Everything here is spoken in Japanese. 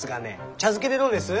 茶漬けでどうです？